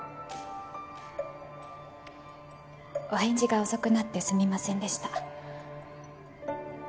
お返事が遅くなってすみませんでした。